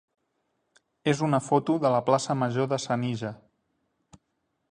és una foto de la plaça major de Senija.